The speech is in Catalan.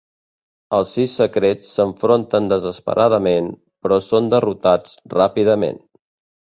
Els Sis Secrets s'enfronten desesperadament, però són derrotats ràpidament.